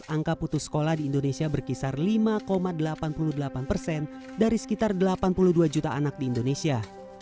angka putus sekolah di indonesia berkisar lima delapan puluh delapan persen dari sekitar delapan puluh dua juta anak di indonesia